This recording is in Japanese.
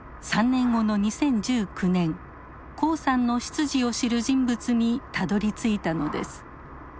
３年後の２０１９年黄さんの出自を知る人物にたどりついたのです。